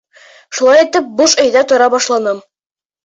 Шулай итеп, буш өйҙә тора башланым.